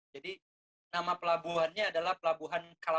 jadi nama pelabuhannya adalah pelabuhan kelapa